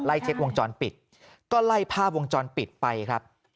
เช็ควงจรปิดก็ไล่ภาพวงจรปิดไปครับ